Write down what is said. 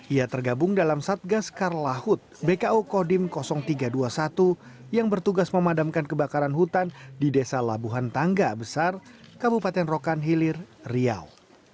ia tergabung dalam satgas karlahut bko kodim tiga ratus dua puluh satu yang bertugas memadamkan kebakaran hutan di desa labuhan tangga besar kabupaten rokan hilir riau